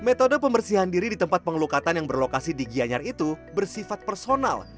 metode pembersihan diri di tempat pengelukatan yang berlokasi di gianyar itu bersifat personal